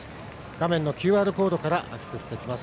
画面のＱＲコードからアクセスできます。